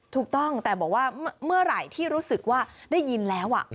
ถูกต้องแต่บอกว่าเมื่อไหร่ที่รู้สึกว่าได้ยินแล้ว